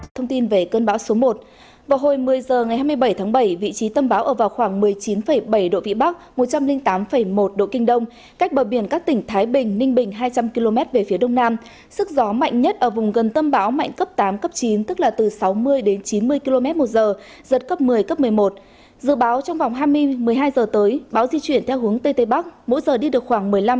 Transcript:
thông tin về cơn bão số một